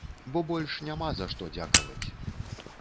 Бо больш няма за што дзякаваць.